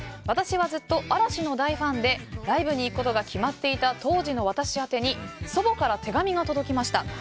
私はずっと嵐の大ファンでライブに行くことが決まっていた当時の私宛てに祖母から手紙が届きました。